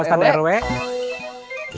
ya tapi ini sudah malam